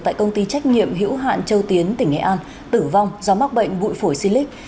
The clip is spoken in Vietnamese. tại công ty trách nhiệm hữu hạn châu tiến tỉnh nghệ an tử vong do mắc bệnh bụi phổi xy lích